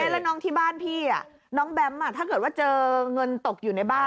แล้วน้องที่บ้านพี่น้องแบมถ้าเกิดว่าเจอเงินตกอยู่ในบ้าน